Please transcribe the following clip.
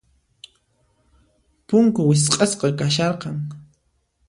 Punku wisq'asqa kasharqan.